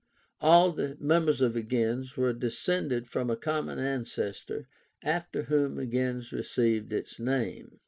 All the members of a gens were descended from a common ancestor, after whom the gens received its name.